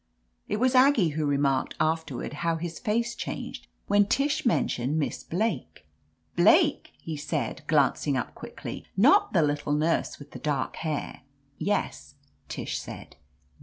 It was Aggie who remarked afterward how his face changed when Tish mentioned Miss Blake. "Blake !" he said, glancing up quickly, "not the little nurse with the dark hair ?" "Yes," Tish said.